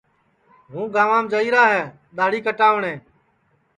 ہُوں گانٚوانٚم جائیرا ہے دہاڑی کٹاوٹؔیں